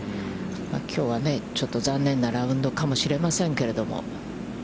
きょうはね、ちょっと残念なラウンドかもしれませんけれども。